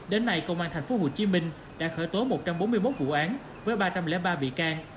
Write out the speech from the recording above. đến nay công an tp hcm đã khởi tố một trăm bốn mươi một vụ án với ba trăm linh ba bị can